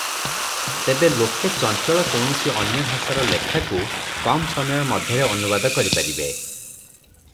ତେବେ ଲୋକେ ଚଞ୍ଚଳ କୌଣସି ଅନ୍ୟଭାଷାର ଲେଖାକୁ କମ ସମୟ ମଧ୍ୟରେ ଅନୁବାଦ କରିପାରିବେ ।